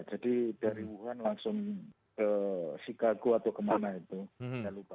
jadi dari wuhan langsung ke chicago atau kemana itu saya lupa